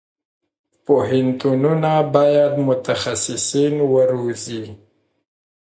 پوهنتونونه باید متخصصین وروزي.